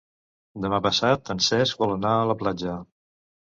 Demà passat en Cesc vol anar a la platja.